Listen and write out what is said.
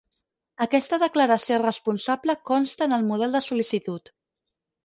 Aquesta declaració responsable consta en el model de sol·licitud.